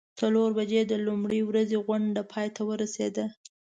څلور بجې د لومړۍ ورځې غونډه پای ته ورسیده.